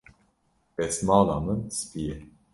Destmala min spî ye.